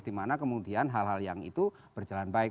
dimana kemudian hal hal yang itu berjalan baik